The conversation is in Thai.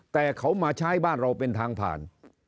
แต่เขามาใช้บ้านเราเป็นทางผ่าน